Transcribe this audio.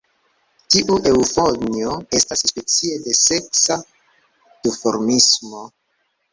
Tiu eŭfonjo estas specio de seksa duformismo.